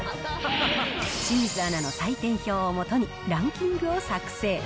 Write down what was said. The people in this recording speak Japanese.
清水アナの採点表を基にランキングを作成。